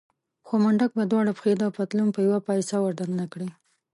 خو منډک به دواړه پښې د پتلون په يوه پایڅه ور دننه کړې.